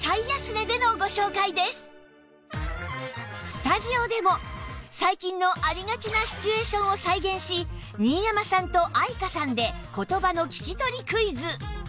スタジオでも最近のありがちなシチュエーションを再現し新山さんと愛華さんで言葉の聞き取りクイズ